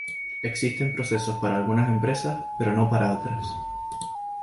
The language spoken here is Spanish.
Existen procesos para algunas empresas, pero no para otras.